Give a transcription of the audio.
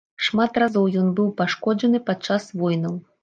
Шмат разоў ён быў пашкоджаны падчас войнаў.